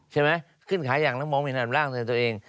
ใช่ไหมขึ้นขายางแล้วมองไม่เห็นในสระดับร่างของตัวเอง